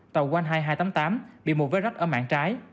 tàu one high hai trăm tám mươi tám bị một vết rách ở mạng trái